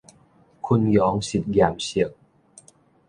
昆陽實驗室